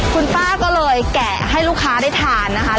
คุณป้าก็เลยแกะให้ลูกค้าได้ทานนะคะ